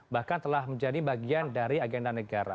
bahkan telah menjadi bagian dari agenda negara